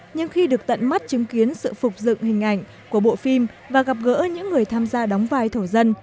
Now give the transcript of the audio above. nhưng khi được tận mắt chứng kiến sự phục dựng hình ảnh của bộ phim và gặp gỡ những người tham gia đóng vai thổ dân